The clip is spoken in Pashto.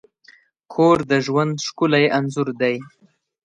کور د ژوند ښکلی انځور دی.